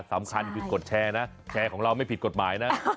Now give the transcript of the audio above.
สำคัญคือกดแชร์นะแชร์ของเราไม่ผิดกฎหมายนะ